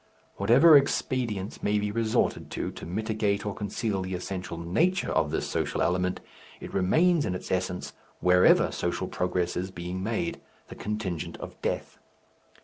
Whatever expedients may be resorted to, to mitigate or conceal the essential nature of this social element, it remains in its essence wherever social progress is being made, the contingent of death.